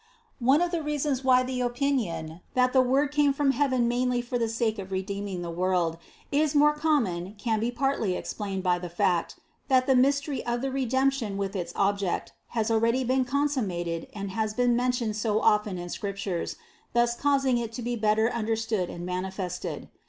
76. "One of the reasons why the opinion, that the Word came from heaven mainly for the sake of redeem THE CONCEPTION 79 ing the world, is more common can be partly explained by the fact, that the mystery of the Redemption with its object has already been consummated and has been men tioned so often in Scriptures, thus causing it to be better understood and manifested.